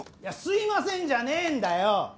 いや「すいません」じゃねえんだよ！